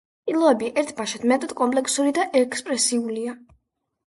ტილოები ერთბაშად, მეტად კომპლექსური და ექსპრესიულია.